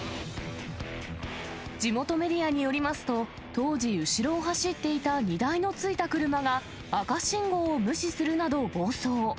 地元メディアによりますと、当時、後ろを走っていた荷台のついた車が赤信号を無視するなど暴走。